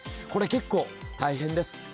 これ結構大変です。